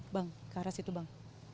bang ke arah situ bang